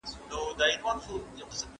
پر اولادونو باندې د اوداسه ښوونه فرض ده؟